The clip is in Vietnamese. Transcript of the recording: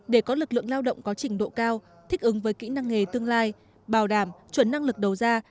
để có lực lượng lao động có trình độ cao thích ứng với kỹ năng nghề tương lai bảo đảm chuẩn năng lực đầu ra